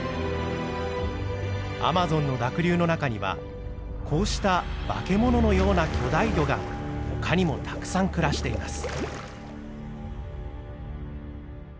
アマゾンの濁流の中にはこうした化け物のような巨大魚が他にもたくさん暮らしています。